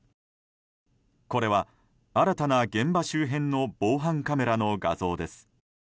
これは新たな現場周辺の防犯カメラの画像です。